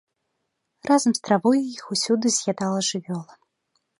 Разам з травой іх усюды з'ядала жывёла.